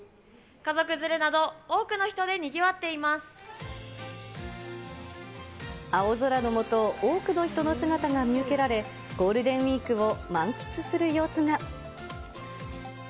家族連れなど、多くの人でにぎわ青空の下、多くの人の姿が見受けられ、ゴールデンウィークを満喫する様子が。